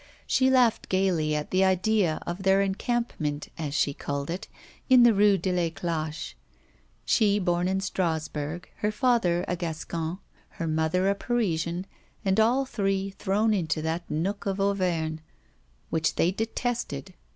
She laughed gaily at the idea of their encampment, as she called it, in the Rue de l'Éclache; she born in Strasburg, her father a Gascon, her mother a Parisian, and all three thrown into that nook of Auvergne, which they detested.